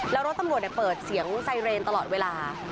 แล้วรถตำรวจเปิดเสียงไซเรนตลอดเวลา